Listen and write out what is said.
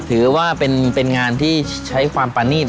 ถือว่าเป็นงานที่ใช้ความประนีต